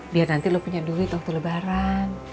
dia nanti lo punya duit waktu lebaran